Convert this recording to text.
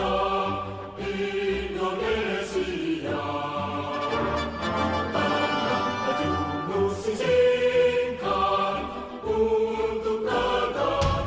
tangan tangan juru singkirkan untuk negara